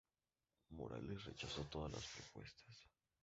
Morales, rechazó todas las propuestas.